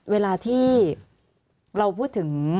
เวลาที่เราพูดถึง